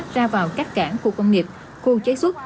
ra vào các cảng khu công nghiệp khu chế xuất